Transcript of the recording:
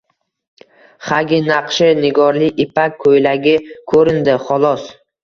Xagi naqshi nigorli ipak ko‘ylagi ko‘rindi, xolos.